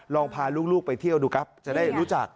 ลองพาลูกไปเที่ยวดูครับจะได้รู้จัก